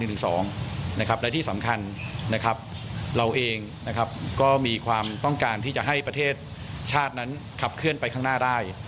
และที่สำคัญนะครับเราเองก็มีความต้องการที่จะให้ประเทศชาตินั้นขับเคลื่อนไปข้างหน้าได้